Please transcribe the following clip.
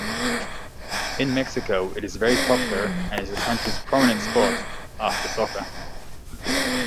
In Mexico it is very popular and is the country's prominent sport, after soccer.